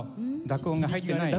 濁音が入ってない。